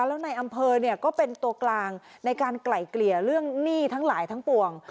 แล้วในอำเภอเนี่ยก็เป็นตัวกลางในการไกล่เกลี่ยเรื่องหนี้ทั้งหลายทั้งปวง